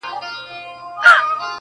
“ما چي د زاهد کیسه کول تاسي به نه منل!.